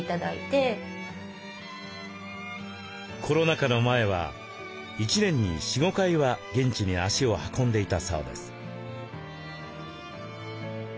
コロナ禍の前は１年に４５回は現地に足を運んでいたそうです。